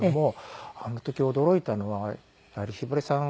あの時驚いたのはひばりさん